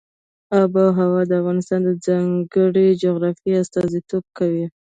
آب وهوا د افغانستان د ځانګړي جغرافیه استازیتوب کوي.